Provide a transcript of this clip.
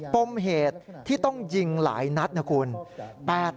ปมเหตุที่ต้องยิงหลายนัดนะคุณ